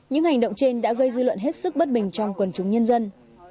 những hành động trên đã gây dư luận hết sức bất bình trong quần chúng nhân dân